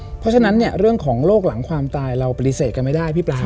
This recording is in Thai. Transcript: เพราะฉะนั้นเนี่ยเรื่องของโรคหลังความตายเราปฏิเสธกันไม่ได้พี่ปลา